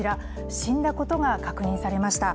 死んだことが確認されました。